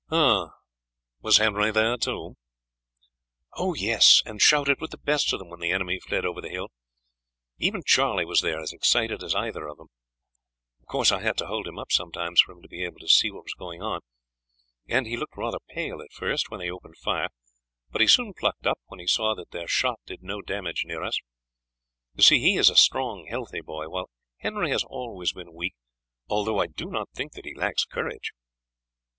"Was Henry there too?" "Oh, yes; and shouted with the best of them when the enemy fled over the hill. Even Charlie was there, and as excited as either of them. Of course, I had to hold him up sometimes for him to be able to see what was going on; and he looked rather pale at first, when they opened fire, but he soon plucked up when he saw that their shot did no damage near us. You see he is a strong healthy boy; while Henry has always been weak, although I do not think that he lacks courage."